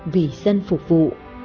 vì dân phục vụ